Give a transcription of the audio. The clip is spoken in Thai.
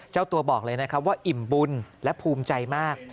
เจ้าตัวบอกเลยนะครับว่าอิ่มบุญและภูมิใจมาก